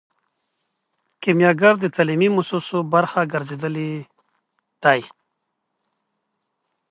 کیمیاګر د تعلیمي موسسو برخه ګرځیدلی دی.